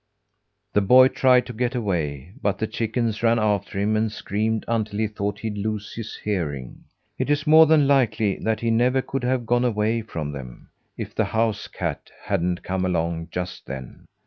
The boy tried to get away, but the chickens ran after him and screamed, until he thought he'd lose his hearing. It is more than likely that he never could have gotten away from them, if the house cat hadn't come along just then.